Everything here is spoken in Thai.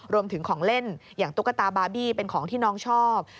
ของเล่นอย่างตุ๊กตาบาร์บี้เป็นของที่น้องชอบ